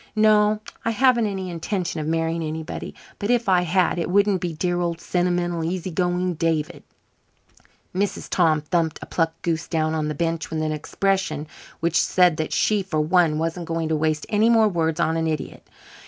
No, I haven't any intention of marrying anybody, but if I had it wouldn't be dear old sentimental, easy going David." Mrs. Tom thumped a plucked goose down on the bench with an expression which said that she, for one, wasn't going to waste any more words on an idiot.